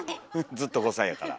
ずっと５歳やから。